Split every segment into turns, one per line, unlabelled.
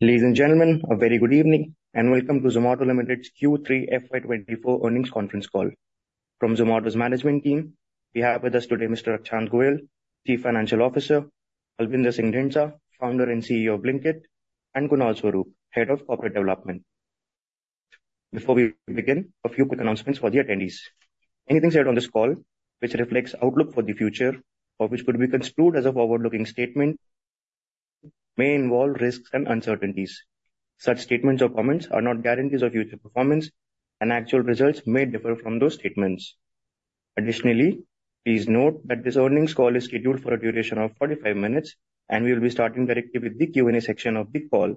Ladies and gentlemen, a very good evening, and welcome to Zomato Limited's Q3 FY 2024 earnings conference call. From Zomato's management team, we have with us today Mr. Akshant Goyal, Chief Financial Officer, Albinder Singh Dhindsa, Founder and CEO of Blinkit, and Kunal Swarup, Head of Corporate Development. Before we begin, a few quick announcements for the attendees. Anything said on this call, which reflects outlook for the future, or which could be construed as a forward-looking statement, may involve risks and uncertainties. Such statements or comments are not guarantees of future performance, and actual results may differ from those statements. Additionally, please note that this earnings call is scheduled for a duration of 45 minutes, and we will be starting directly with the Q&A section of the call.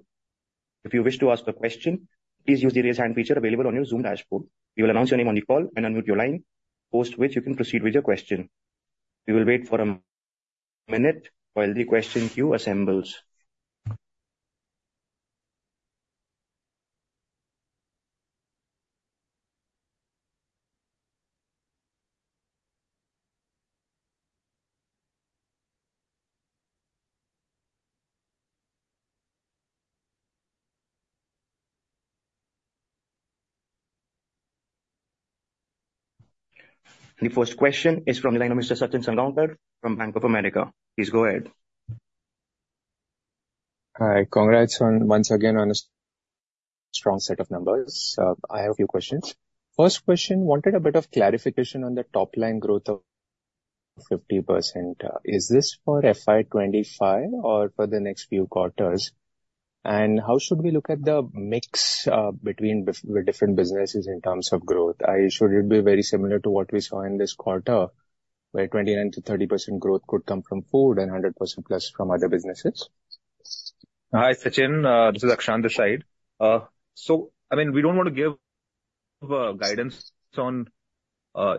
If you wish to ask a question, please use the Raise Hand feature available on your Zoom dashboard. We will announce your name on the call and unmute your line, post which you can proceed with your question. We will wait for a minute while the question queue assembles. The first question is from the line of Mr. Sachin Salgaonkar from Bank of America. Please go ahead.
Hi. Congrats on once again, on a strong set of numbers. I have a few questions. First question, wanted a bit of clarification on the top line growth of 50%. Is this for FY 2025 or for the next few quarters? And how should we look at the mix, between the different businesses in terms of growth? Should it be very similar to what we saw in this quarter, where 29%-30% growth could come from food and 100%+ from other businesses?
Hi, Sachin, this is Akshant this side. So, I mean, we don't want to give guidance on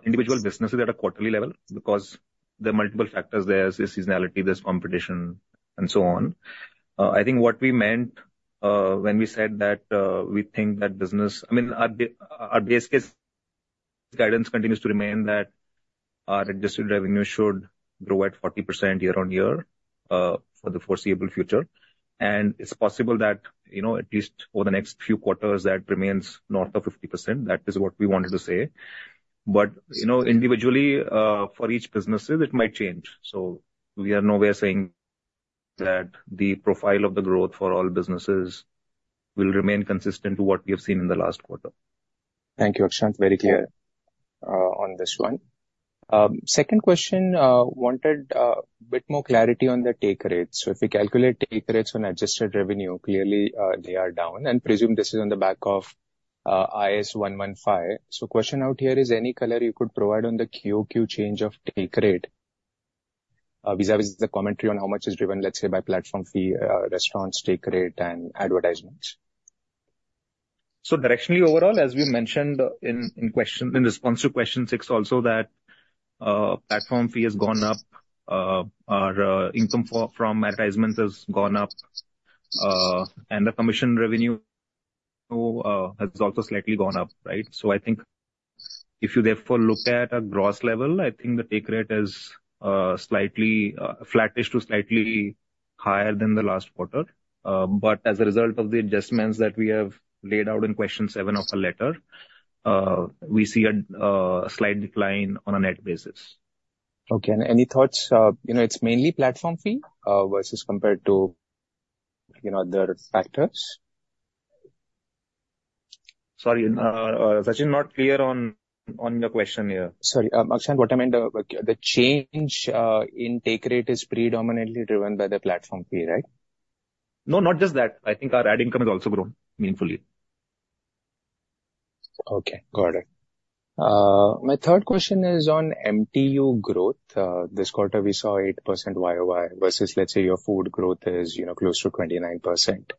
individual businesses at a quarterly level because there are multiple factors there. There's seasonality, there's competition, and so on. I think what we meant when we said that we think that business. I mean, our base case guidance continues to remain that our adjusted revenue should grow at 40% year-on-year for the foreseeable future. And it's possible that, you know, at least for the next few quarters, that remains north of 50%. That is what we wanted to say. But, you know, individually for each businesses, it might change. So we are nowhere saying that the profile of the growth for all businesses will remain consistent to what we have seen in the last quarter.
Thank you, Akshant. Very clear, on this one. Second question, wanted a bit more clarity on the take rate. So if we calculate take rates on adjusted revenue, clearly, they are down and presume this is on the back of, Ind AS 115. So question out here is any color you could provide on the QoQ change of take rate, vis-a-vis the commentary on how much is driven, let's say, by platform fee, restaurants, take rate, and advertisements?
So directionally, overall, as we mentioned in response to question six, also that platform fee has gone up, our income from advertisements has gone up, and the commission revenue has also slightly gone up, right? So I think if you therefore look at a gross level, I think the take rate is slightly flattish to slightly higher than the last quarter. But as a result of the adjustments that we have laid out in question seven of the letter, we see a slight decline on a net basis.
Okay, and any thoughts, you know, it's mainly platform fee versus compared to, you know, other factors?
Sorry, Sachin, not clear on your question here.
Sorry, Akshant, what I meant, the change in take rate is predominantly driven by the platform fee, right?
No, not just that. I think our ad income has also grown meaningfully.
Okay, got it. My third question is on MTU growth. This quarter, we saw 8% YoY, versus let's say your food growth is, you know, close to 29%.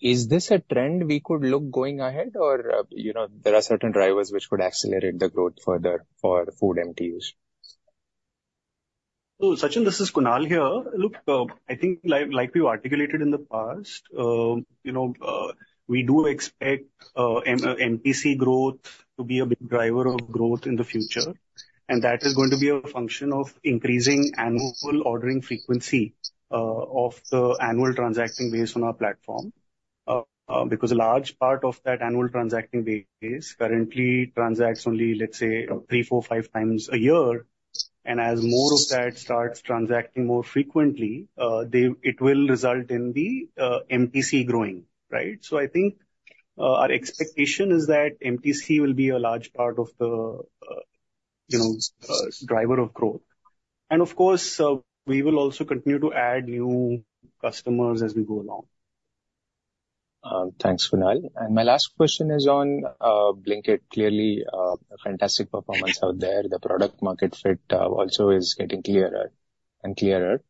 Is this a trend we could look going ahead, or, you know, there are certain drivers which would accelerate the growth further for food MTUs?
So, Sachin, this is Kunal here. Look, I think like, like we've articulated in the past, you know, we do expect, MTC growth to be a big driver of growth in the future, and that is going to be a function of increasing annual ordering frequency, of the annual transacting base on our platform. Because a large part of that annual transacting base currently transacts only, let's say, three, four, five times a year, and as more of that starts transacting more frequently, they... It will result in the, MTC growing, right? So I think, our expectation is that MTC will be a large part of the, you know, driver of growth. And of course, we will also continue to add new customers as we go along.
Thanks, Kunal. And my last question is on Blinkit. Clearly, a fantastic performance out there. The product market fit also is getting clearer and clearer.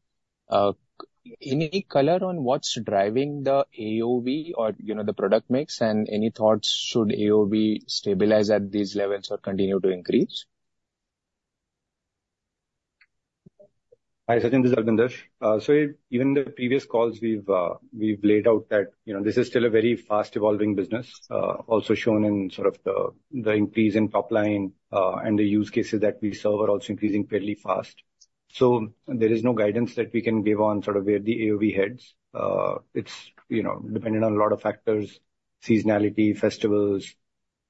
Any color on what's driving the AOV or, you know, the product mix, and any thoughts should AOV stabilize at these levels or continue to increase?
Hi, Sachin, this is Albinder. So even in the previous calls, we've laid out that, you know, this is still a very fast-evolving business, also shown in sort of the increase in top line, and the use cases that we serve are also increasing fairly fast. So there is no guidance that we can give on sort of where the AOV heads. It's, you know, dependent on a lot of factors, seasonality, festivals,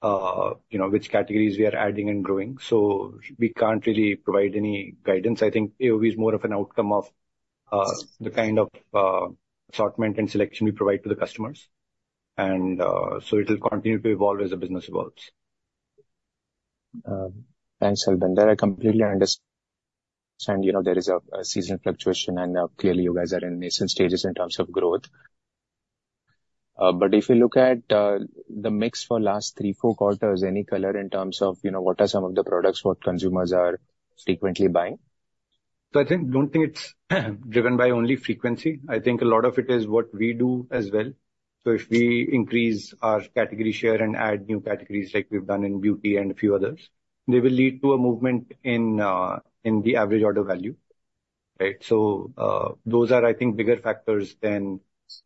you know, which categories we are adding and growing, so we can't really provide any guidance. I think AOV is more of an outcome of the kind of assortment and selection we provide to the customers. And so it will continue to evolve as the business evolves.
Thanks, Albinder. That I completely understand, you know, there is a seasonal fluctuation, and now clearly you guys are in nascent stages in terms of growth. But if you look at the mix for last three, four quarters, any color in terms of, you know, what are some of the products what consumers are frequently buying?
So I think, don't think it's driven by only frequency. I think a lot of it is what we do as well. So if we increase our category share and add new categories like we've done in beauty and a few others, they will lead to a movement in the average order value, right? So those are, I think, bigger factors than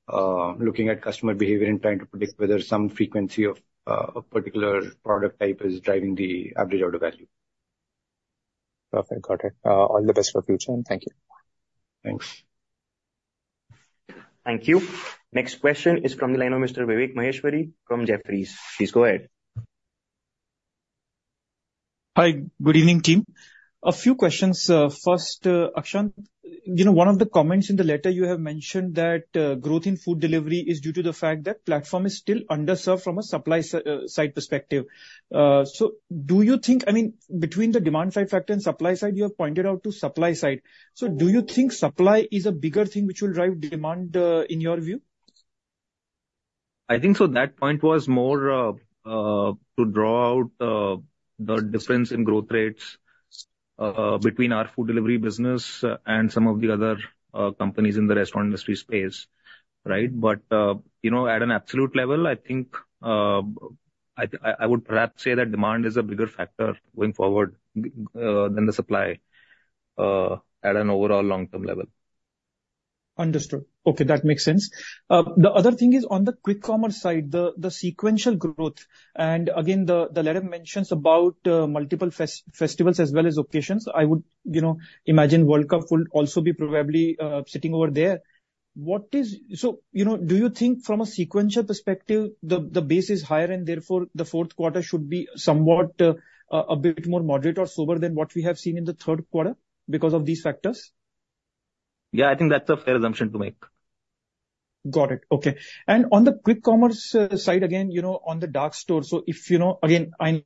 looking at customer behavior and trying to predict whether some frequency of a particular product type is driving the average order value.
Perfect. Got it. All the best for future, and thank you.
Thanks.
Thank you. Next question is from the line of Mr. Vivek Maheshwari from Jefferies. Please go ahead.
Hi, good evening, team. A few questions. First, Akshant, you know, one of the comments in the letter you have mentioned that growth in food delivery is due to the fact that platform is still underserved from a supply side perspective. So do you think, I mean, between the demand side factor and supply side, you have pointed out to supply side. So do you think supply is a bigger thing which will drive the demand, in your view?
I think so that point was more, to draw out, the difference in growth rates, between our food delivery business and some of the other, companies in the restaurant industry space, right? But, you know, at an absolute level, I think, I would perhaps say that demand is a bigger factor going forward, than the supply, at an overall long-term level.
Understood. Okay, that makes sense. The other thing is on the quick commerce side, the sequential growth, and again, the letter mentions about multiple festivals as well as occasions. I would, you know, imagine World Cup will also be probably sitting over there. What is... So, you know, do you think from a sequential perspective, the base is higher and therefore the fourth quarter should be somewhat a bit more moderate or slower than what we have seen in the third quarter because of these factors?
Yeah, I think that's a fair assumption to make.
Got it. Okay. And on the quick commerce side, again, you know, on the dark store, so if you know, again, I know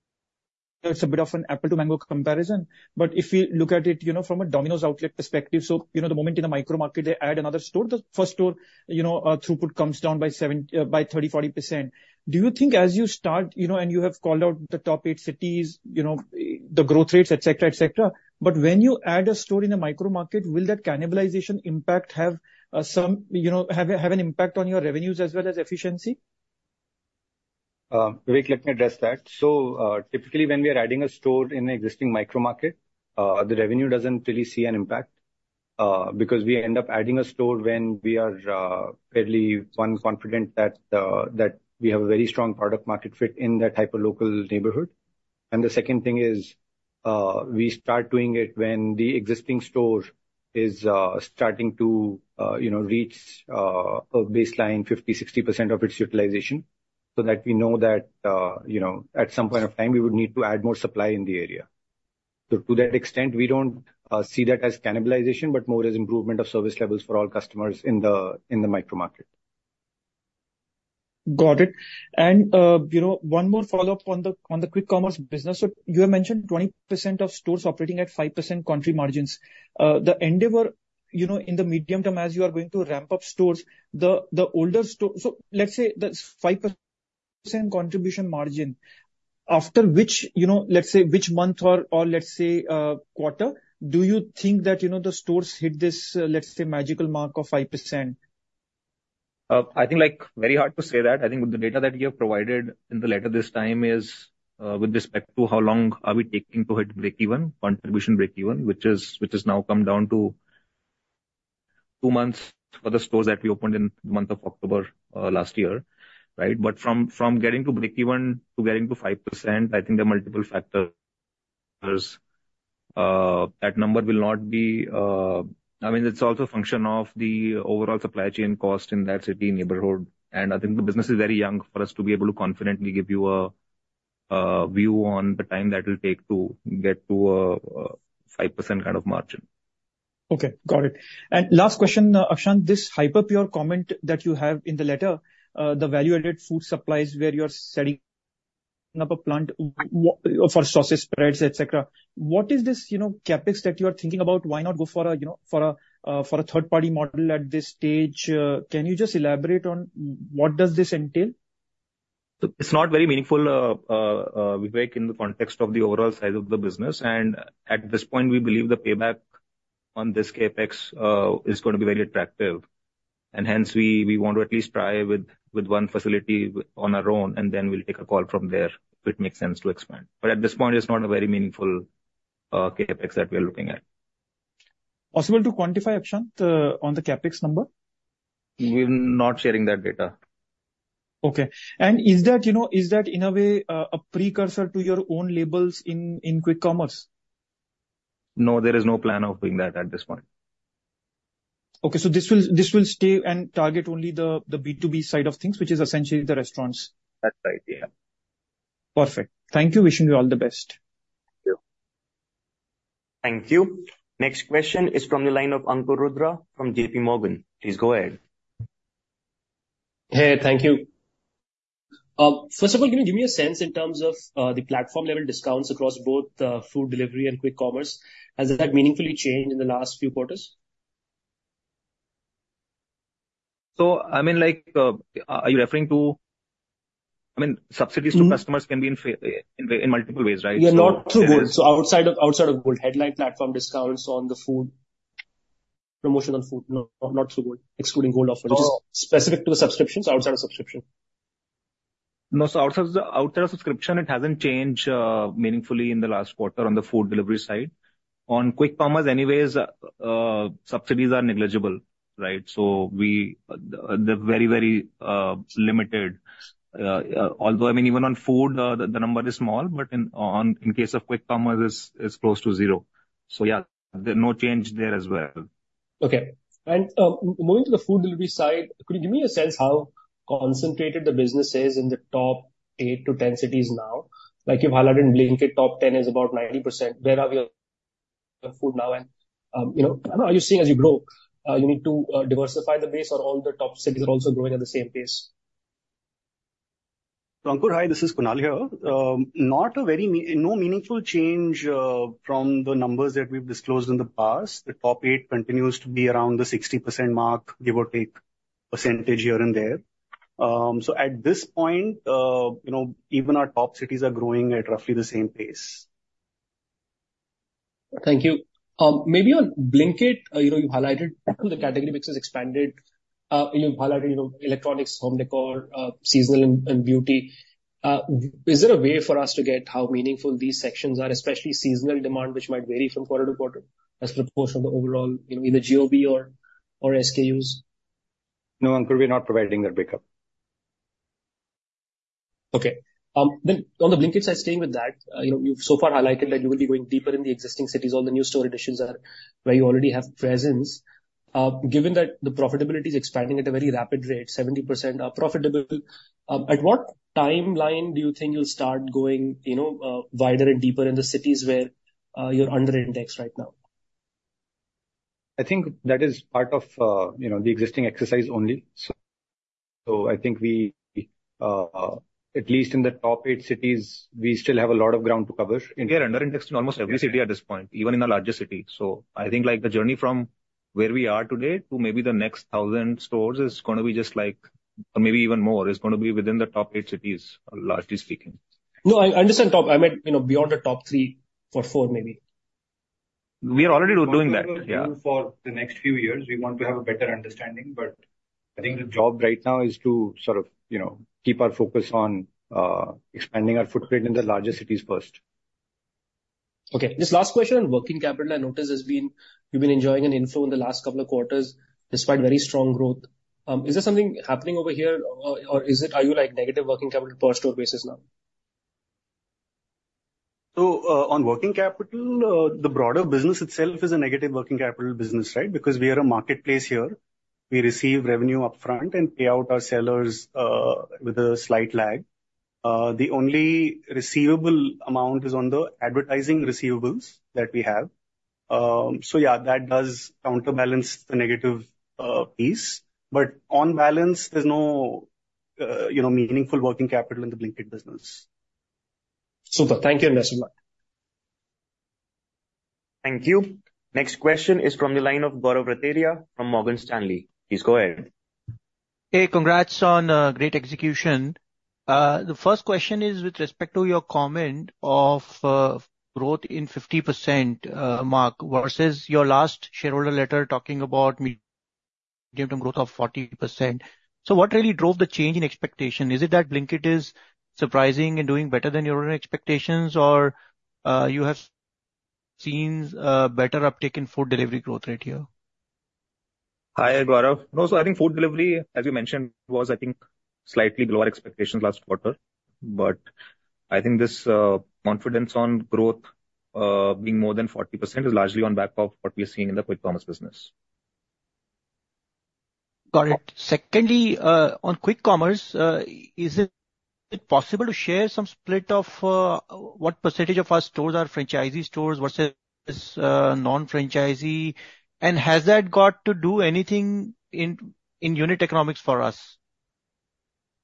it's a bit of an apple to mango comparison, but if we look at it, you know, from a Domino's outlet perspective, so, you know, the moment in the micro market they add another store, the first store, you know, throughput comes down by 30%-40%. Do you think as you start, you know, and you have called out the top eight cities, you know, the growth rates, et cetera, et cetera, but when you add a store in the micro market, will that cannibalization impact have some, you know, have a, have an impact on your revenues as well as efficiency?
Vivek, let me address that. So, typically, when we are adding a store in an existing micro market, the revenue doesn't really see an impact, because we end up adding a store when we are fairly confident that we have a very strong product market fit in that hyper local neighborhood. And the second thing is, we start doing it when the existing store is starting to, you know, reach a baseline 50%-60% of its utilization, so that we know that, you know, at some point of time, we would need to add more supply in the area. So to that extent, we don't see that as cannibalization, but more as improvement of service levels for all customers in the micro market.
Got it. And, you know, one more follow-up on the, on the quick commerce business. So you have mentioned 20% of stores operating at 5% contribution margins. The endeavor, you know, in the medium term, as you are going to ramp up stores, the, the older store. So let's say that's 5% contribution margin, after which, you know, let's say, which month or, or let's say, quarter, do you think that, you know, the stores hit this, let's say, magical mark of 5%?
I think, like, very hard to say that. I think the data that we have provided in the letter this time is, with respect to how long are we taking to hit breakeven, contribution breakeven, which is, which has now come down to two months for the stores that we opened in the month of October, last year, right? But from getting to breakeven to getting to 5%, I think there are multiple factors. That number will not be... I mean, it's also a function of the overall supply chain cost in that city neighborhood, and I think the business is very young for us to be able to confidently give you a view on the time that it will take to get to a 5% kind of margin.
Okay, got it. Last question, Akshant, this Hyperpure comment that you have in the letter, the value-added food supplies where you're setting up a plant for sauces, spreads, et cetera. What is this, you know, CapEx that you are thinking about? Why not go for a, you know, for a third-party model at this stage? Can you just elaborate on what does this entail?
So it's not very meaningful, Vivek, in the context of the overall size of the business, and at this point, we believe the payback on this CapEx is gonna be very attractive, and hence, we want to at least try with one facility on our own, and then we'll take a call from there if it makes sense to expand. But at this point, it's not a very meaningful CapEx that we are looking at.
Possible to quantify, Akshant, on the CapEx number?
We're not sharing that data.
Okay. And is that, you know, is that in a way a precursor to your own labels in quick commerce?
No, there is no plan of doing that at this point.
Okay, so this will stay and target only the B2B side of things, which is essentially the restaurants.
That's right, yeah.
Perfect. Thank you. Wishing you all the best.
Thank you.
Thank you. Next question is from the line of Ankur Rudra from JPMorgan. Please go ahead.
Hey, thank you. First of all, can you give me a sense in terms of, the platform level discounts across both, food delivery and quick commerce? Has that meaningfully changed in the last few quarters?
So I mean, like, are you referring to... I mean, subsidies to customers can be in multiple ways, right?
Yeah, not through Gold. Outside of Gold. Headline platform discounts on the food, promotion on food, not through Gold. Excluding Gold offerings.
Oh.
Specific to the subscriptions, outside of subscription.
No, so outside of subscription, it hasn't changed, meaningfully in the last quarter on the food delivery side. On quick commerce anyways, subsidies are negligible, right? So we, the very, very, limited, although I mean, even on food, the number is small, but in, on, in case of quick commerce, it's, it's close to zero. So yeah, there's no change there as well.
Okay. And, moving to the food delivery side, could you give me a sense how concentrated the business is in the top eight to 10 cities now? Like you've highlighted in Blinkit, top 10 is about 90%. Where are we on food now? And, you know, are you seeing as you grow, you need to, diversify the base or all the top cities are also growing at the same pace?
Ankur, hi, this is Kunal here. No meaningful change from the numbers that we've disclosed in the past. The top eight continues to be around the 60% mark, give or take, percentage here and there. So at this point, you know, even our top cities are growing at roughly the same pace.
Thank you. Maybe on Blinkit, you know, you highlighted the category mix has expanded, you highlighted, you know, electronics, home decor, seasonal and, and beauty. Is there a way for us to get how meaningful these sections are, especially seasonal demand, which might vary from quarter to quarter as a proportion of the overall, you know, either GOV or, or SKUs?
No, Ankur, we're not providing that breakup.
Okay. Then on the Blinkit side, staying with that, you know, you've so far highlighted that you will be going deeper in the existing cities. All the new store additions are where you already have presence. Given that the profitability is expanding at a very rapid rate, 70% are profitable, at what timeline do you think you'll start going, you know, wider and deeper in the cities where you're under indexed right now?
I think that is part of, you know, the existing exercise only. So, so I think we, at least in the top eight cities, we still have a lot of ground to cover.
And we are under indexed in almost every city at this point, even in the larger cities. So I think like the journey from where we are today to maybe the next thousand stores is gonna be just like, or maybe even more, is gonna be within the top eight cities, largely speaking.
No, I understand top. I meant, you know, beyond the top three or four maybe.
We are already doing that. Yeah.
For the next few years, we want to have a better understanding, but I think the job right now is to sort of, you know, keep our focus on, expanding our footprint in the larger cities first.
Okay. Just last question on working capital. I noticed there's been... You've been enjoying an inflow in the last couple of quarters, despite very strong growth. Is there something happening over here? Or, or is it, are you like negative working capital per store basis now?
So, on working capital, the broader business itself is a negative working capital business, right? Because we are a marketplace here. We receive revenue upfront and pay out our sellers, with a slight lag. The only receivable amount is on the advertising receivables that we have. So yeah, that does counterbalance the negative, piece, but on balance, there's no, you know, meaningful working capital in the Blinkit business.
Super. Thank you, and thanks a lot.
Thank you. Next question is from the line of Gaurav Rateria from Morgan Stanley. Please go ahead.
Hey, congrats on great execution. The first question is with respect to your comment of growth in 50% mark, versus your last shareholder letter, talking about medium term growth of 40%. So what really drove the change in expectation? Is it that Blinkit is surprising and doing better than your own expectations, or you have seen better uptake in food delivery growth rate here?
Hi, Gaurav. No, so I think food delivery, as you mentioned, was I think slightly below our expectations last quarter, but I think this confidence on growth being more than 40% is largely on back of what we are seeing in the quick commerce business.
Got it. Secondly, on quick commerce, is it possible to share some split of what percentage of our stores are franchisee stores versus non-franchisee? And has that got to do anything in unit economics for us?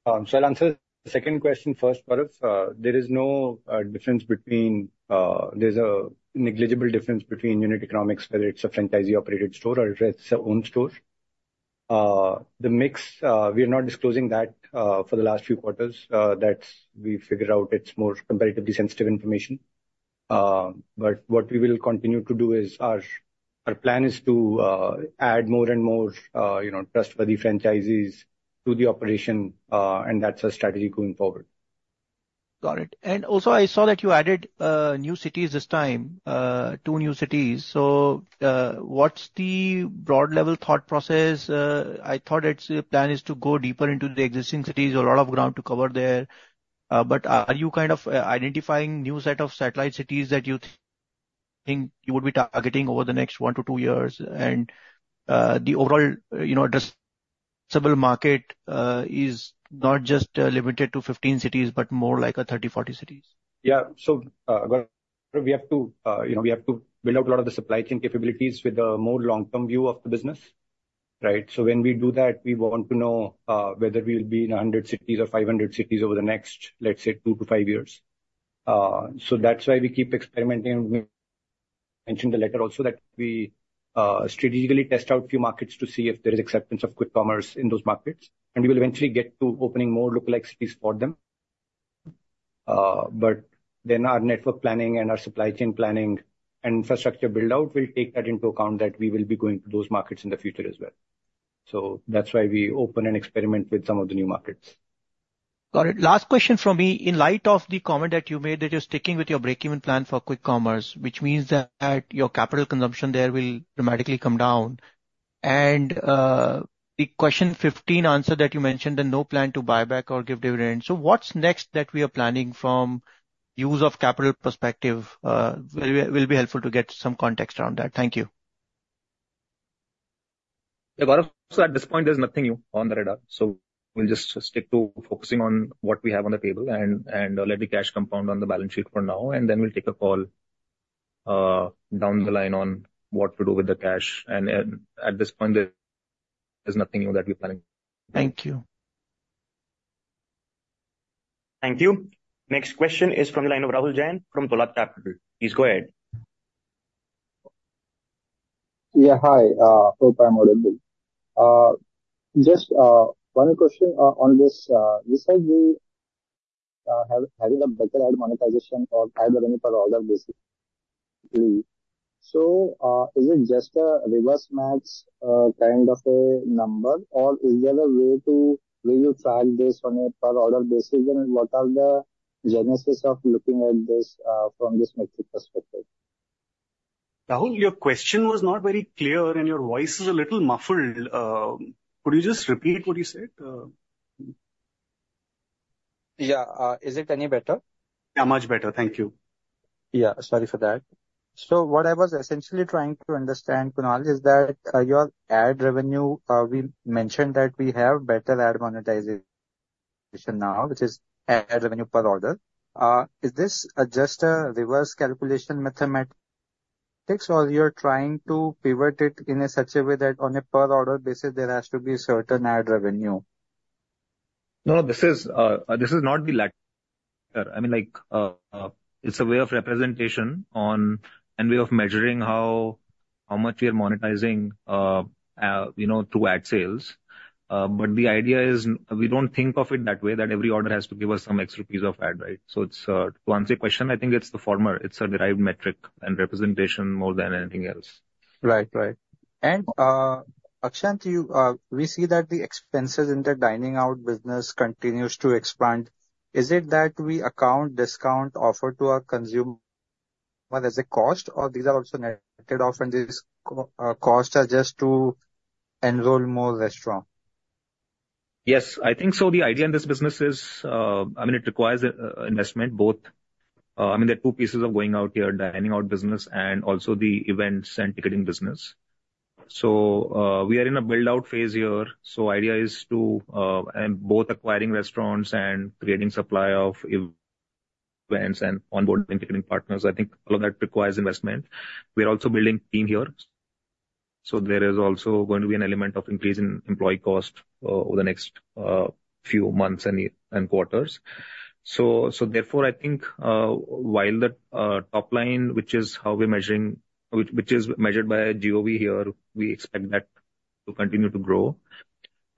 So I'll answer the second question first, Gaurav. There's a negligible difference between unit economics, whether it's a franchisee-operated store or it's its own store. The mix, we are not disclosing that, for the last few quarters. That's we figured out it's more competitively sensitive information. But what we will continue to do is our plan is to add more and more, you know, trustworthy franchisees to the operation, and that's our strategy going forward.
Got it. And also, I saw that you added new cities this time, two new cities. So, what's the broad level thought process? I thought it's plan is to go deeper into the existing cities, a lot of ground to cover there. But are you kind of identifying new set of satellite cities that you think you would be targeting over the next one to two years? And, the overall, you know, addressable market is not just limited to 15 cities, but more like a 30-40 cities.
Yeah. So, we have to, you know, we have to build out a lot of the supply chain capabilities with a more long-term view of the business, right? So when we do that, we want to know whether we'll be in 100 cities or 500 cities over the next, let's say, two to five years. So that's why we keep experimenting. Mentioned the letter also that we strategically test out a few markets to see if there is acceptance of quick commerce in those markets, and we will eventually get to opening more lookalike cities for them. But then our network planning and our supply chain planning and infrastructure build-out will take that into account, that we will be going to those markets in the future as well. So that's why we open and experiment with some of the new markets.
Got it. Last question from me. In light of the comment that you made, that you're sticking with your break-even plan for quick commerce, which means that your capital consumption there will dramatically come down. And, the question 15 answer that you mentioned, the no plan to buy back or give dividends. So what's next that we are planning from use of capital perspective, will be helpful to get some context around that. Thank you.
Yeah, Gaurav, so at this point, there's nothing new on the radar, so we'll just stick to focusing on what we have on the table and let the cash compound on the balance sheet for now, and then we'll take a call down the line on what to do with the cash. At this point, there's nothing new that we're planning.
Thank you.
Thank you. Next question is from the line of Rahul Jain from Dolat Capital. Please go ahead.
Yeah, hi, hope I'm audible. Just one question on this. You said we have having a better ad monetization or ad revenue per order basis. So, is it just a reverse match kind of a number, or is there a way to re-attract this on a per order basis? And what are the genesis of looking at this from this metric perspective?
Rahul, your question was not very clear, and your voice is a little muffled. Could you just repeat what you said?
Yeah. Is it any better?
Yeah, much better. Thank you.
Yeah, sorry for that. So what I was essentially trying to understand, Kunal, is that, your ad revenue, we mentioned that we have better ad monetization now, which is ad revenue per order. Is this just a reverse calculation mathematic, or you're trying to pivot it in such a way that on a per order basis, there has to be certain ad revenue?
No, this is not. I mean, like, it's a way of representing one way of measuring how much we are monetizing, you know, through ad sales. But the idea is we don't think of it that way, that every order has to give us some X INR of ad, right? So, to answer your question, I think it's the former. It's a derived metric and representation more than anything else.
Right. Right. And, Akshant, you, we see that the expenses in the dining out business continues to expand. Is it that we account discount offered to our consumer as a cost, or these are also netted off and these costs are just to enroll more restaurant?
Yes, I think so. The idea in this business is, I mean, it requires investment both—I mean, there are two pieces of Going Out here, dining out business and also the events and ticketing business. So, we are in a build-out phase here, so idea is to and both acquiring restaurants and creating supply of events and onboarding ticketing partners. I think all of that requires investment. We are also building team here, so there is also going to be an element of increase in employee cost over the next few months and quarters. So, so therefore, I think while the top line, which is how we're measuring, which is measured by GOV here, we expect that to continue to grow.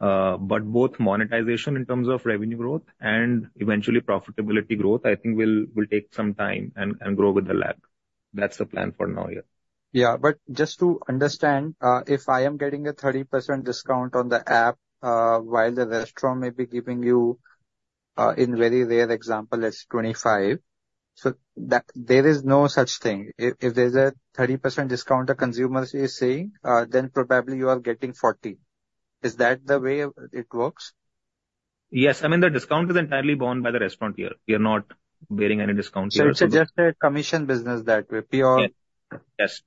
But both monetization in terms of revenue growth and eventually profitability growth, I think will take some time and grow with the lab. That's the plan for now here.
Yeah, but just to understand, if I am getting a 30% discount on the app, while the restaurant may be giving you, in very rare example, it's 25%, so that there is no such thing. If, if there's a 30% discount the consumer is seeing, then probably you are getting 40%. Is that the way it works?
Yes. I mean, the discount is entirely borne by the restaurant here. We are not bearing any discounts here.
It's just a commission business that way, pure?
Yes.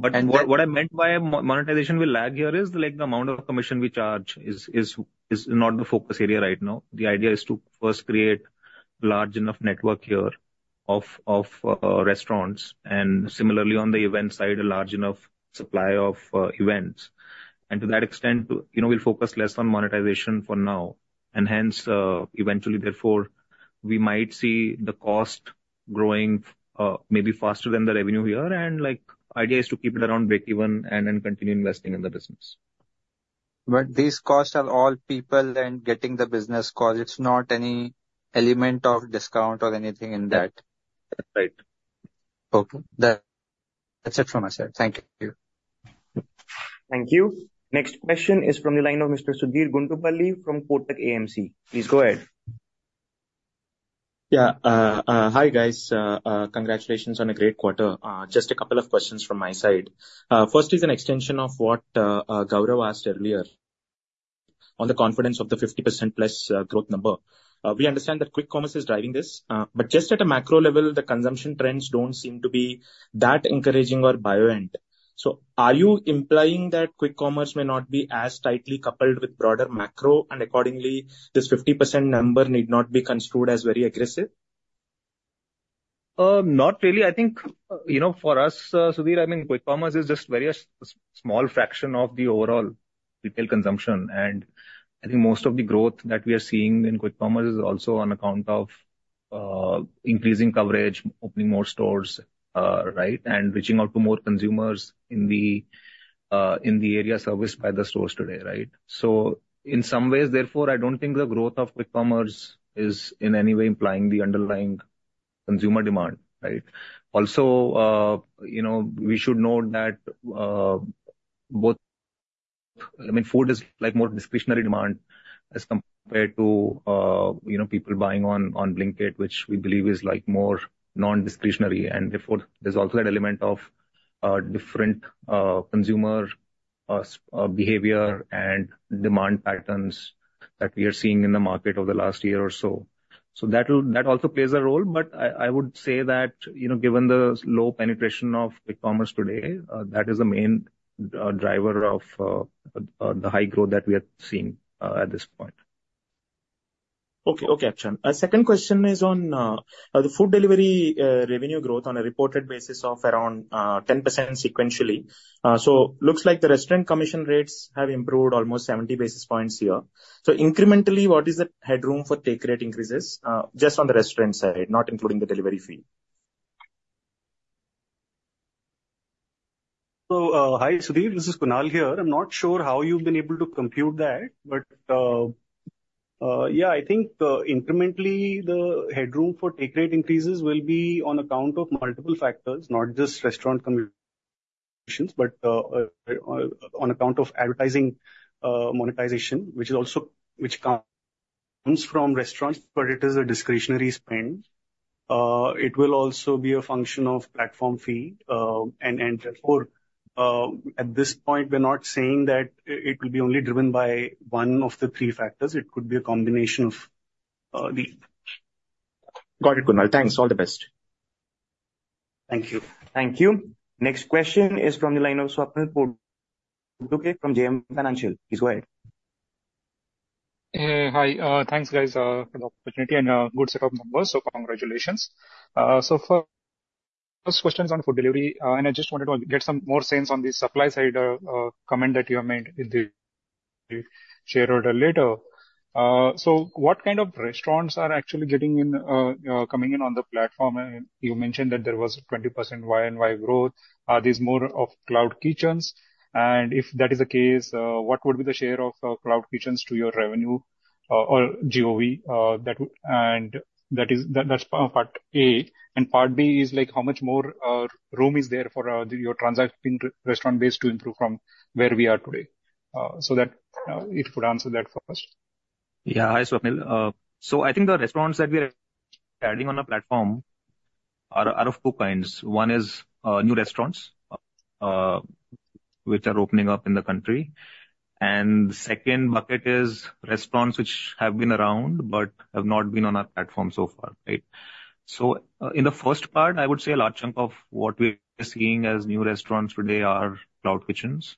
But what I meant by monetization will lag here is, like, the amount of commission we charge is not the focus area right now. The idea is to first create large enough network here of restaurants, and similarly on the event side, a large enough supply of events. And to that extent, you know, we'll focus less on monetization for now, and hence, eventually, therefore, we might see the cost growing, maybe faster than the revenue here. And like, idea is to keep it around break even and then continue investing in the business.
But these costs are all people and getting the business, because it's not any element of discount or anything in that.
Right.
Okay, that, that's it from my side. Thank you.
Thank you. Next question is from the line of Mr. Sudheer Guntupalli from Kotak AMC. Please go ahead.
Yeah. Hi, guys. Congratulations on a great quarter. Just a couple of questions from my side. First is an extension of what Gaurav asked earlier on the confidence of the 50%+ growth number. We understand that quick commerce is driving this, but just at a macro level, the consumption trends don't seem to be that encouraging or buoyant. So are you implying that quick commerce may not be as tightly coupled with broader macro, and accordingly, this 50% number need not be construed as very aggressive?
Not really. I think, you know, for us, Sudheer, I mean, quick commerce is just very a small fraction of the overall retail consumption. And I think most of the growth that we are seeing in quick commerce is also on account of increasing coverage, opening more stores, right? And reaching out to more consumers in the area serviced by the stores today, right? So in some ways, therefore, I don't think the growth of quick commerce is in any way implying the underlying consumer demand, right? Also, you know, we should note that both, I mean, food is, like, more discretionary demand as compared to, you know, people buying on Blinkit, which we believe is, like, more non-discretionary. And therefore, there's also an element of different consumer behavior and demand patterns that we are seeing in the market over the last year or so. So that also plays a role, but I would say that, you know, given the low penetration of quick commerce today, that is the main driver of the high growth that we are seeing at this point.
Okay. Okay, Akshant. Second question is on the food delivery revenue growth on a reported basis of around 10% sequentially. So looks like the restaurant commission rates have improved almost 70 basis points here. So incrementally, what is the headroom for take rate increases, just on the restaurant side, not including the delivery fee?
So, hi, Sudheer, this is Kunal here. I'm not sure how you've been able to compute that, but, yeah, I think, incrementally, the headroom for take rate increases will be on account of multiple factors, not just restaurant commissions, but, on account of advertising, monetization, which comes from restaurants, but it is a discretionary spend. It will also be a function of platform fee, and, and therefore, at this point, we're not saying that it will be only driven by one of the three factors. It could be a combination of, three.
Got it, Kunal. Thanks, all the best.
Thank you.
Thank you. Next question is from the line of Swapnil Potdukhe from JM Financial. Please go ahead.
Hi. Thanks, guys, for the opportunity and good set of numbers, so congratulations. So first questions on food delivery, and I just wanted to get some more sense on the supply side, comment that you have made in the shareholder letter. So what kind of restaurants are actually getting in, coming in on the platform? And you mentioned that there was 20% YoY growth. Are these more of cloud kitchens? And if that is the case, what would be the share of cloud kitchens to your revenue, or GOV, that would-- And that is, that's part A, and part B is, like, how much more room is there for your transacting restaurant base to improve from where we are today? So that, if you could answer that for us.
Yeah. Hi, Swapnil. So I think the restaurants that we are adding on the platform are of two kinds. One is new restaurants, which are opening up in the country, and the second market is restaurants which have been around, but have not been on our platform so far, right? So in the first part, I would say a large chunk of what we are seeing as new restaurants today are cloud kitchens,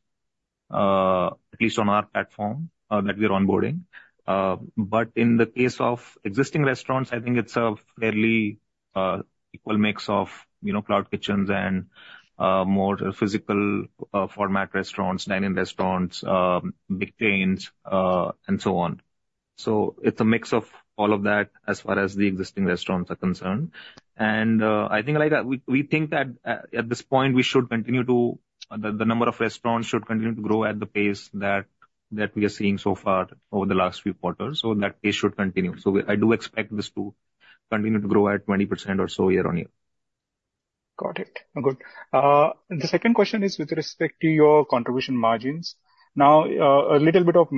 at least on our platform, that we are onboarding. But in the case of existing restaurants, I think it's a fairly equal mix of, you know, cloud kitchens and more physical format restaurants, dine-in restaurants, big chains, and so on. So it's a mix of all of that as far as the existing restaurants are concerned. I think, like, we think that at this point, we should continue to... The number of restaurants should continue to grow at the pace that we are seeing so far over the last few quarters, so that pace should continue. So I do expect this to continue to grow at 20% or so year-on-year.
Got it. Good. The second question is with respect to your contribution margins. Now, a little bit of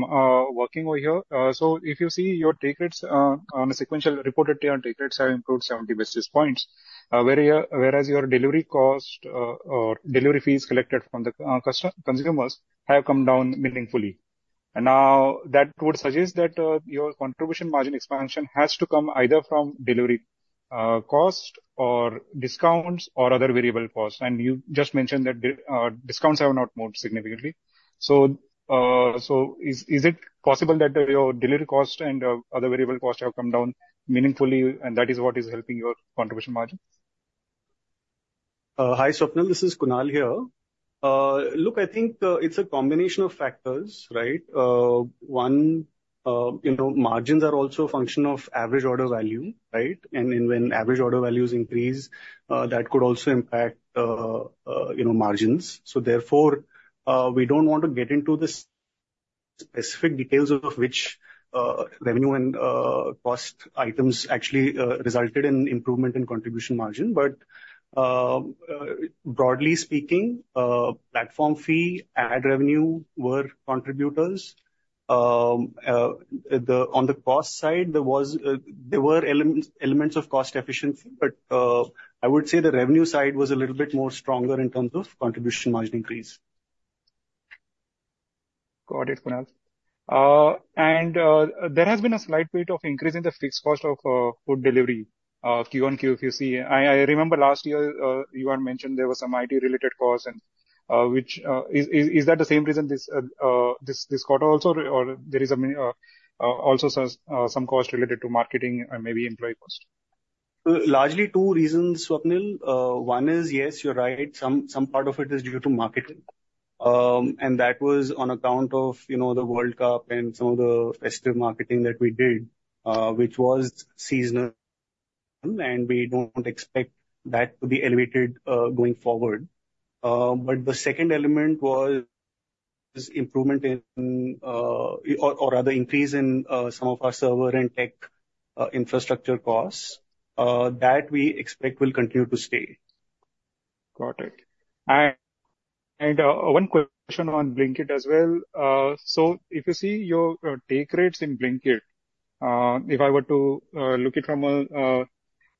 working over here. So if you see your take rates on a sequential reported here, on take rates have improved 70 basis points, whereas your delivery cost or delivery fees collected from the customer, consumers have come down meaningfully. And now, that would suggest that your contribution margin expansion has to come either from delivery cost or discounts or other variable costs. And you just mentioned that the discounts have not moved significantly. So, is it possible that your delivery cost and other variable costs have come down meaningfully, and that is what is helping your contribution margins?
Hi, Swapnil, this is Kunal here. Look, I think it's a combination of factors, right? One, you know, margins are also a function of average order value, right? And then when average order values increase, that could also impact, you know, margins. So therefore, we don't want to get into this specific details of which, revenue and cost items actually resulted in improvement in contribution margin. But, broadly speaking, platform fee, ad revenue were contributors. On the cost side, there was, there were elements of cost efficiency, but, I would say the revenue side was a little bit more stronger in terms of contribution margin increase.
Got it, Kunal. And there has been a slight bit of increase in the fixed cost of food delivery QoQ, if you see. I remember last year you had mentioned there was some IT related costs and which is that the same reason this quarter also? Or there is a many also some costs related to marketing and maybe employee cost?
Largely two reasons, Swapnil. One is, yes, you're right, some part of it is due to marketing. And that was on account of, you know, the World Cup and some of the festive marketing that we did, which was seasonal, and we don't expect that to be elevated going forward. But the second element was this improvement in, or rather, increase in some of our server and tech infrastructure costs that we expect will continue to stay.
Got it. One question on Blinkit as well. So if you see your take rates in Blinkit, if I were to look at it from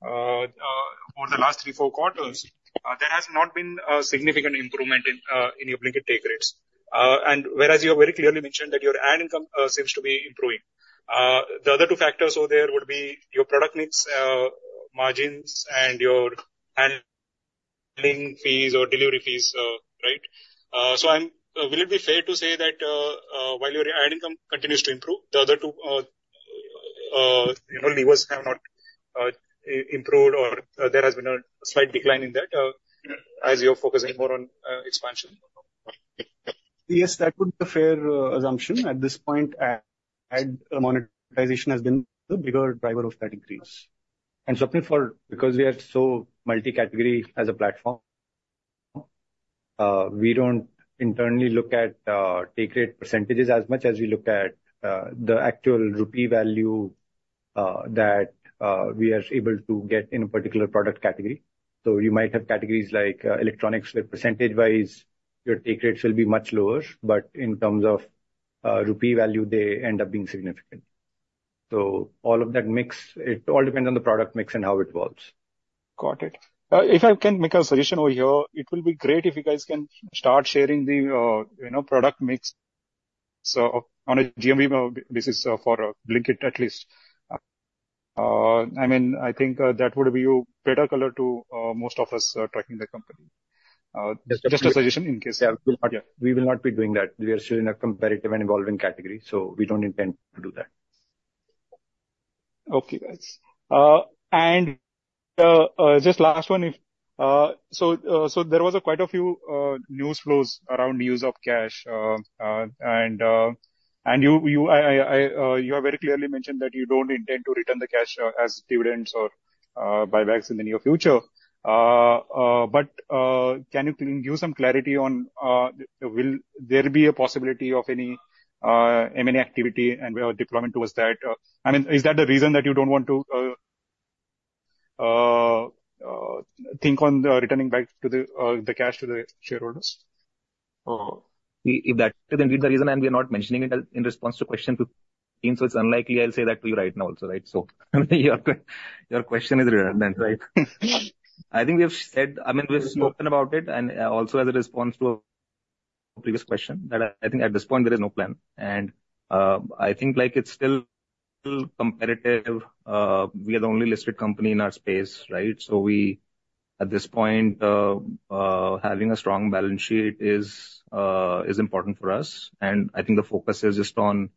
over the last three, four quarters, there has not been a significant improvement in your Blinkit take rates. And whereas you have very clearly mentioned that your ad income seems to be improving. The other two factors over there would be your product mix, margins, and your handling fees or delivery fees, right? So will it be fair to say that, while your ad income continues to improve, the other two, you know, levers have not improved, or there has been a slight decline in that, as you're focusing more on expansion?
Yes, that would be a fair assumption. At this point, ad monetization has been the bigger driver of that increase.
And Swapnil, for because we are so multi-category as a platform, we don't internally look at take rate percentages as much as we look at the actual rupee value that we are able to get in a particular product category. So you might have categories like electronics, where percentage-wise your take rates will be much lower, but in terms of rupee value, they end up being significant. So all of that mix, it all depends on the product mix and how it evolves.
Got it. If I can make a suggestion over here, it will be great if you guys can start sharing the, you know, product mix, so on a GMV basis for Blinkit at least. I mean, I think, that would be a better color to, most of us, tracking the company. Just a suggestion in case.
Yeah. We will not be doing that. We are still in a competitive and evolving category, so we don't intend to do that.
Okay, guys. Just last one if... So, there was quite a few news flows around use of cash. You have very clearly mentioned that you don't intend to return the cash as dividends or buybacks in the near future. But can you please give some clarity on will there be a possibility of any M&A activity and your deployment towards that? I mean, is that the reason that you don't want to think on returning back the cash to the shareholders?
If that indeed the reason, and we are not mentioning it in response to question, so it's unlikely I'll say that to you right now also, right? So your, your question is redundant, right? I think we've said, I mean, we've spoken about it, and, also as a response to a previous question, that I think at this point there is no plan, and, I think like it's still competitive. We are the only listed company in our space, right? So we, at this point, having a strong balance sheet is, is important for us, and I think the focus is just on,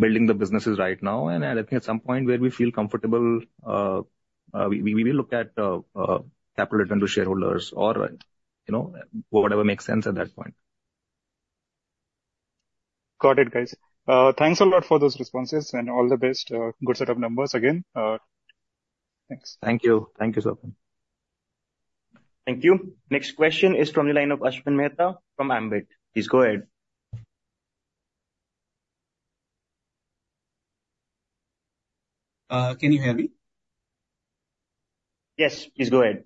building the businesses right now. And I think at some point where we feel comfortable, we, we will look at, capital return to shareholders or, you know, whatever makes sense at that point.
Got it, guys. Thanks a lot for those responses, and all the best. Good set of numbers again, thanks.
Thank you. Thank you, Swapnil.
Thank you. Next question is from the line of Ashwin Mehta from Ambit. Please go ahead.
Can you hear me?
Yes, please go ahead.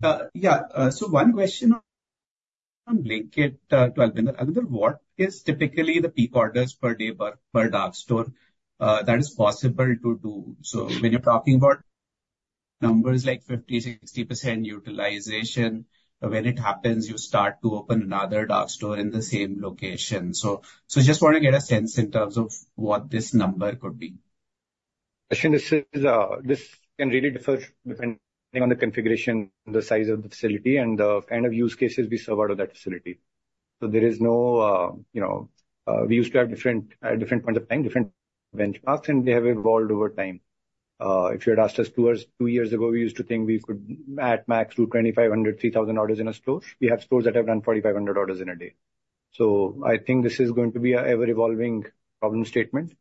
One question on Blinkit, to Albinder. Albinder, what is typically the peak orders per day per, per dark store that is possible to do? So when you're talking about numbers like 50%, 60% utilization, when it happens, you start to open another dark store in the same location. So just want to get a sense in terms of what this number could be.
Ashwin, this is, this can really differ depending on the configuration, the size of the facility and the kind of use cases we serve out of that facility. So there is no, you know, we used to have different, different point of time, different benchmarks, and they have evolved over time. If you had asked us two years, two years ago, we used to think we could at max do 2,500, 3,000 orders in a store. We have stores that have done 4,500 orders in a day. So I think this is going to be an ever-evolving problem statement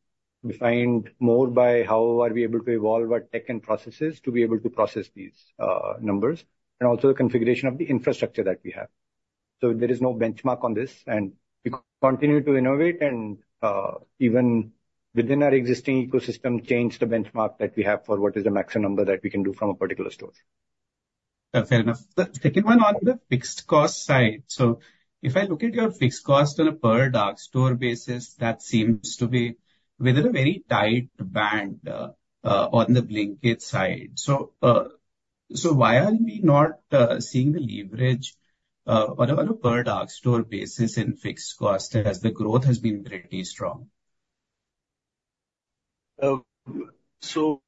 defined more by how are we able to evolve our tech and processes to be able to process these numbers, and also the configuration of the infrastructure that we have. So there is no benchmark on this, and we continue to innovate and even within our existing ecosystem, change the benchmark that we have for what is the maximum number that we can do from a particular store.
Fair enough. The second one on the fixed cost side. So if I look at your fixed cost on a per dark store basis, that seems to be within a very tight band, on the Blinkit side. So, so why are we not seeing the leverage, on a, on a per dark store basis in fixed costs, as the growth has been pretty strong?
So,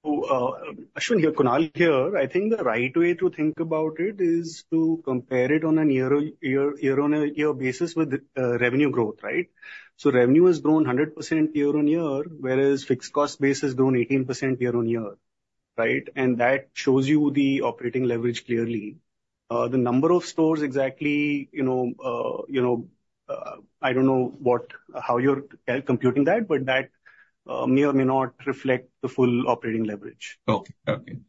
Ashwin, Kunal here. I think the right way to think about it is to compare it on a year-on-year, year-on-year basis with revenue growth, right? So revenue has grown 100% year-on-year, whereas fixed cost base has grown 18% year-on-year, right? And that shows you the operating leverage clearly. The number of stores exactly, you know, you know, I don't know what, how you're computing that, but that may or may not reflect the full operating leverage.
Okay. Okay.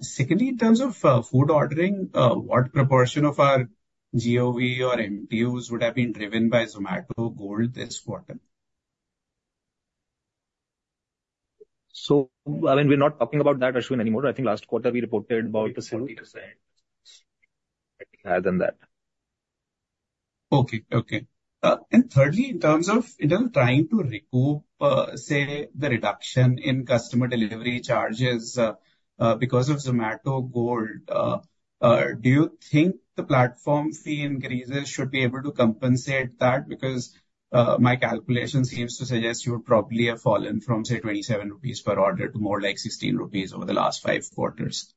Secondly, in terms of food ordering, what proportion of our GOV or MTUs would have been driven by Zomato Gold this quarter?
So, I mean, we're not talking about that, Ashwin, anymore. I think last quarter we reported about the 70%. I think other than that.
Okay, okay. And thirdly, in terms of trying to recoup, say, the reduction in customer delivery charges, because of Zomato Gold, do you think the platform fee increases should be able to compensate that? Because, my calculation seems to suggest you would probably have fallen from, say, 27 rupees per order to more like 16 rupees over the last five quarters.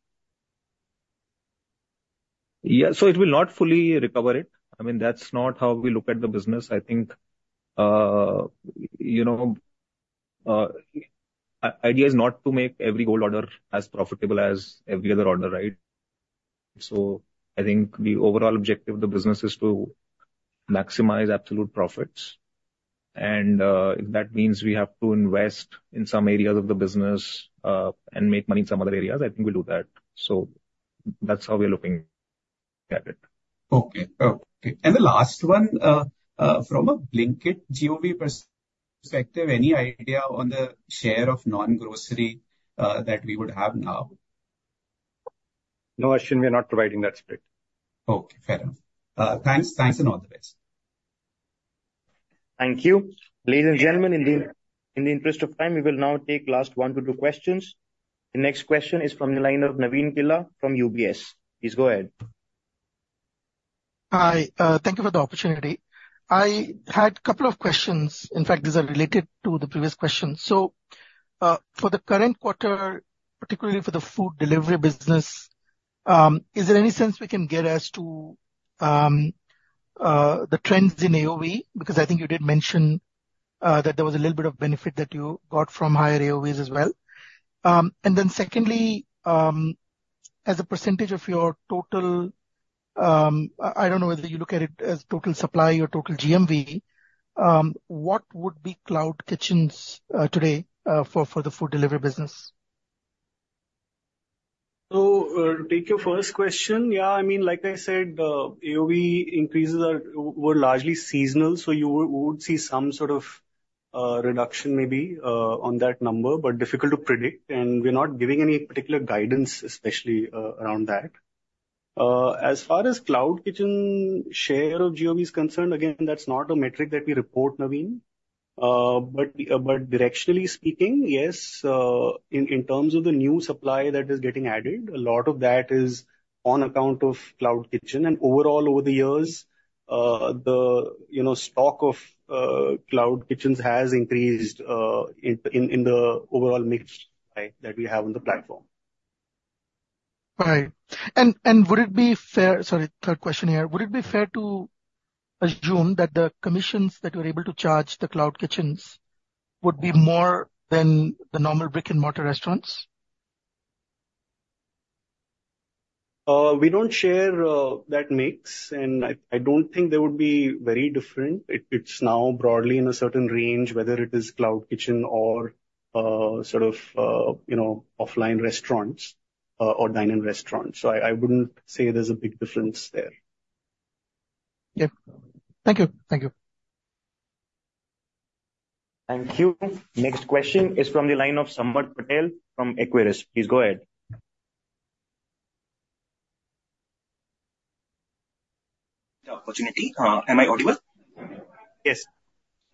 Yeah. So it will not fully recover it. I mean, that's not how we look at the business. I think, you know, idea is not to make every gold order as profitable as every other order, right? So I think the overall objective of the business is to maximize absolute profits, and if that means we have to invest in some areas of the business, and make money in some other areas, I think we'll do that. So that's how we're looking at it.
Okay. Okay. And the last one, from a Blinkit GOV perspective, any idea on the share of non-grocery that we would have now?
No, Ashwin, we are not providing that split.
Okay, fair enough. Thanks. Thanks, and all the best.
Thank you. Ladies and gentlemen, in the interest of time, we will now take last one to two questions. The next question is from the line of Navin Killa from UBS. Please go ahead.
Hi, thank you for the opportunity. I had a couple of questions. In fact, these are related to the previous question. So, for the current quarter, particularly for the food delivery business, is there any sense we can get as to the trends in AOV? Because I think you did mention that there was a little bit of benefit that you got from higher AOVs as well. And then secondly, as a percentage of your total, I don't know whether you look at it as total supply or total GMV, what would be cloud kitchens today for the food delivery business?
So, to take your first question, yeah, I mean, like I said, AOV increases are, were largely seasonal, so you would see some sort of reduction maybe on that number, but difficult to predict, and we're not giving any particular guidance, especially around that. As far as cloud kitchen share of GOV is concerned, again, that's not a metric that we report, Navin. But directionally speaking, yes, in terms of the new supply that is getting added, a lot of that is on account of cloud kitchen. And overall, over the years, the, you know, stock of cloud kitchens has increased in the overall mix, right, that we have on the platform.
Right. And, and would it be fair... Sorry, third question here: Would it be fair to assume that the commissions that you're able to charge the cloud kitchens would be more than the normal brick-and-mortar restaurants?
We don't share that mix, and I don't think they would be very different. It's now broadly in a certain range, whether it is cloud kitchen or sort of you know offline restaurants or dine-in restaurants, so I wouldn't say there's a big difference there.
Yeah. Thank you. Thank you.
Thank you. Next question is from the line of Samarth Patel from Equirus. Please go ahead.
The opportunity. Am I audible?
Yes,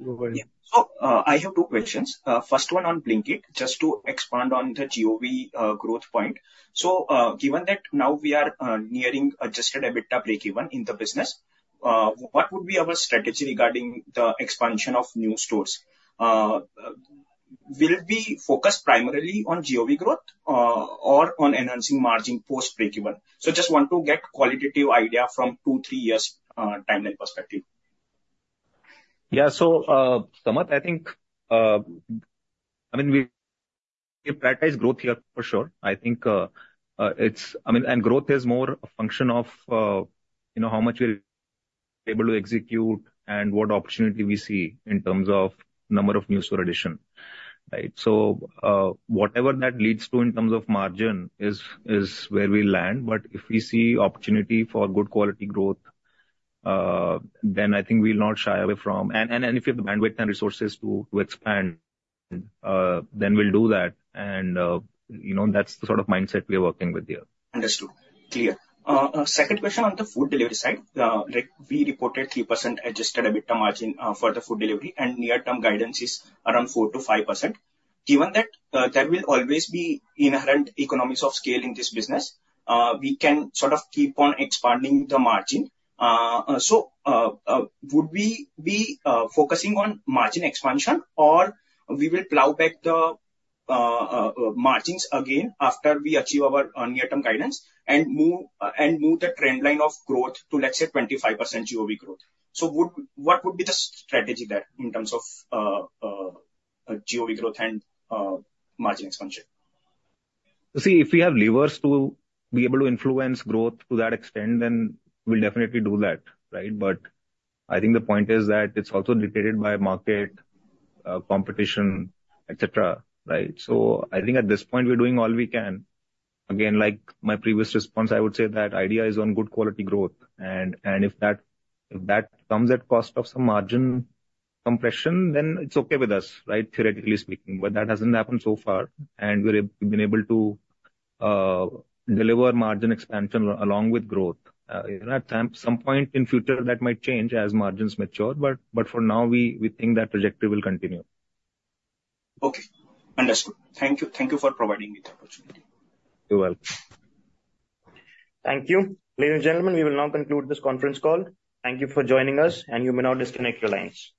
you are.
Yeah. So, I have two questions. First one on Blinkit, just to expand on the GOV, growth point. So, given that now we are nearing adjusted EBITDA breakeven in the business, what would be our strategy regarding the expansion of new stores? Will it be focused primarily on GOV growth, or on enhancing margin post-breakeven? So just want to get qualitative idea from two, three years, timeline perspective.
Yeah. So, Samarth, I think, I mean, we prioritize growth here for sure. I think, I mean, growth is more a function of, you know, how much we're able to execute and what opportunity we see in terms of number of new store addition, right? So, whatever that leads to in terms of margin is where we land, but if we see opportunity for good quality growth, then I think we'll not shy away from. And if you have the bandwidth and resources to expand, then we'll do that. And, you know, that's the sort of mindset we are working with here.
Understood. Clear. Second question on the food delivery side. Like, we reported 3% adjusted EBITDA margin for the food delivery, and near-term guidance is around 4%-5%. Given that, there will always be inherent economies of scale in this business, we can sort of keep on expanding the margin. So, would we be focusing on margin expansion, or we will plow back the margins again after we achieve our near-term guidance and move the trend line of growth to, let's say, 25% GOV growth? So, what would be the strategy there in terms of GOV growth and margin expansion?
See, if we have levers to be able to influence growth to that extent, then we'll definitely do that, right? But I think the point is that it's also dictated by market, competition, et cetera, right? So I think at this point, we're doing all we can. Again, like my previous response, I would say that idea is on good quality growth, and if that comes at cost of some margin compression, then it's okay with us, right? Theoretically speaking. But that hasn't happened so far, and we've been able to deliver margin expansion along with growth. At some point in future, that might change as margins mature, but for now, we think that trajectory will continue.
Okay. Understood. Thank you. Thank you for providing me the opportunity.
You're welcome.
Thank you. Ladies and gentlemen, we will now conclude this conference call. Thank you for joining us, and you may now disconnect your lines.